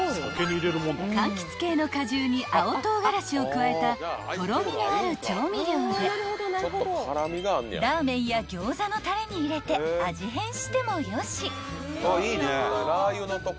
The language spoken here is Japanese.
［柑橘系の果汁に青唐辛子を加えたとろみのある調味料でラーメンや餃子のたれに入れて味変してもよし］